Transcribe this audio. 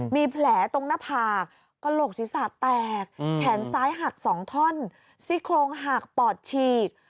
มีแผลตรงหน้าผากกระโหลกศีรษะแตกแขนซ้ายหัก๒ท่อนซี่โครงหักปอดฉีก